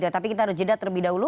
tapi kita harus jeda terlebih dahulu